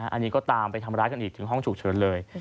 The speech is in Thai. อันนี้ก็ตามไปทำร้ายกันอีกถึงห้องฉุกเฉินเลย